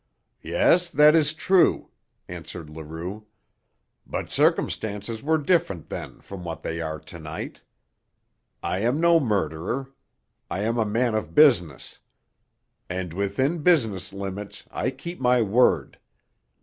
"Yes, that is true," answered Leroux. "But circumstances were different then from what they are tonight. I am no murderer. I am a man of business. And, within business limits, I keep my word.